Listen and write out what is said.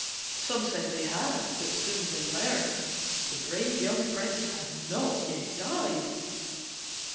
Some said they had, but soon they learn The brave young prince had not yet died.